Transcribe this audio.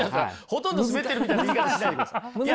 ほとんどスベってるみたいな言い方しないでください。